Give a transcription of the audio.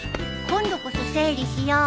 今度こそ整理しよう。